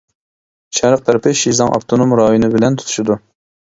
شەرق تەرىپى شىزاڭ ئاپتونوم رايونى بىلەن تۇتىشىدۇ.